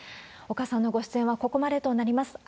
岡さんのご出演はここまでとなります。